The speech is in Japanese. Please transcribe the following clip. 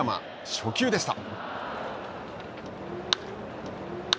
初球でした。